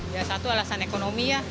ya satu alasan ekonomi ya